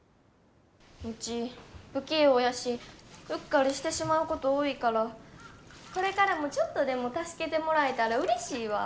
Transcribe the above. ウチ不器用やしうっかりしてしまうこと多いからこれからもちょっとでも助けてもらえたらうれしいわ。